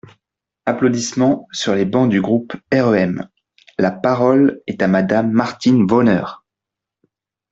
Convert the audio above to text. (Applaudissements sur les bancs du groupe REM.) La parole est à Madame Martine Wonner.